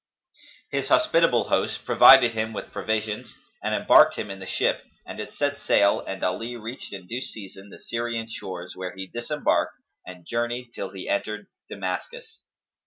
His hospitable host provided him with provision and embarked him in the ship; and it set sail and Ali reached in due season the Syrian shores where he disembarked and journeyed till he entered Damascus.